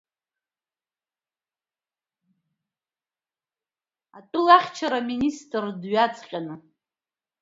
Атәылахьчара аминистрдҩаҵҟьаны.